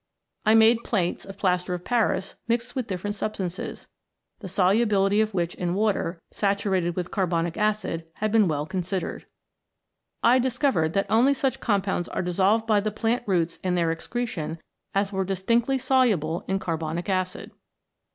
I made plates of plaster of Paris mixed with different substances, the solubility of which in water saturated with carbonic acid, had been well considered. I discovered that only such compounds are dissolved by the plant roots and their excretion, as were distinctly soluble in carbonic acid.